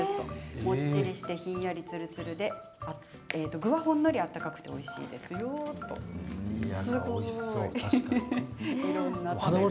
もっちりしてひんやりつるつるで具はほんのり温かくておいしそう、確かに。